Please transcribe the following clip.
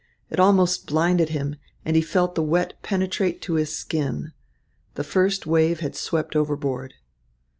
It almost blinded him, and he felt the wet penetrate to his skin. The first wave had swept overboard.